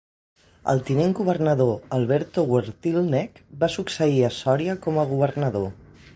El tinent governador Alberto Weretilneck va succeir a Soria com a governador.